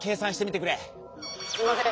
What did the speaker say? すみません